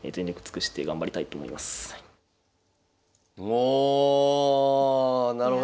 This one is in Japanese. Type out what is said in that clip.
おおなるほど。